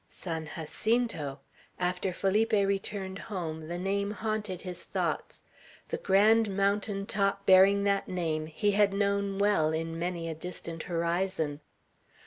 "San Jacinto!" After Felipe returned home, the name haunted his thoughts. The grand mountain top bearing that name he had known well in many a distant horizon.